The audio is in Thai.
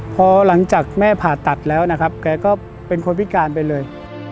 พอหลังจากแม่ผ่าตัดแล้วนะครับแกก็เป็นคนพิการไปเลย